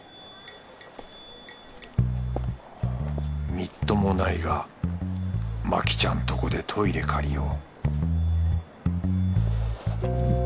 みっともないがマキちゃんとこでトイレ借りよう